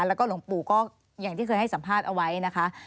แล้วก็หลวงปู่ก็อย่างที่เคยให้สัมภาษณ์เอาไว้นะคะ